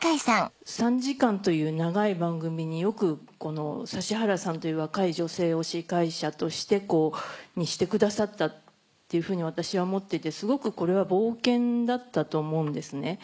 ３時間という長い番組によく指原さんという若い女性を司会者にしてくださったっていうふうに私は思っていてすごくこれは冒険だったと思うんですね。